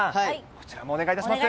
こちらもお願いいたします。